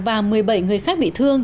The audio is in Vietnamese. và một mươi bảy người khác bị thương